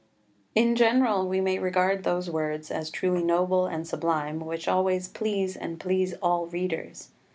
4 In general we may regard those words as truly noble and sublime which always please and please all readers.